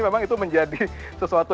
memang itu menjadi sesuatu